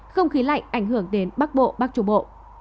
không khí lạnh ảnh hưởng đến bắc bộ bắc trung bộ